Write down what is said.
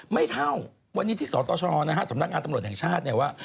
ไม่เท่าวันนี้ที่สตชนะฮะสำนักงานตำรวจแห่งชาติเนี่ยว่า